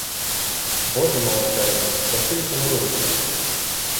Боже милосердний, спаси й помилуй нас!